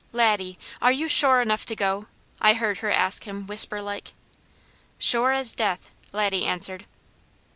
"LADDIE, ARE YOU SURE ENOUGH TO GO?" I heard her ask him whisper like. "SURE AS DEATH!" Laddie answered.